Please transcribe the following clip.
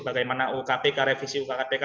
bagaimana ukpk revisi ukpk